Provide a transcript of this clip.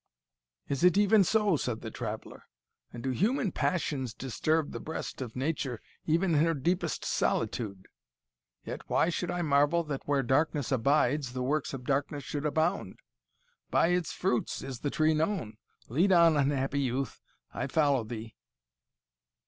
"Is it even so," said the traveller; "and do human passions disturb the breast of nature, even in her deepest solitude? Yet why should I marvel that where darkness abides the works of darkness should abound? By its fruits is the tree known Lead on, unhappy youth I follow thee!"